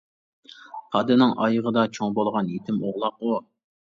پادىنىڭ ئايىغىدا چوڭ بولغان يېتىم ئوغلاق ئۇ.